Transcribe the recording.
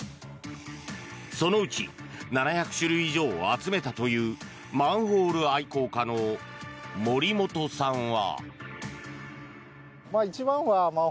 そのうち７００種類以上を集めたというマンホール愛好家の森本さんは。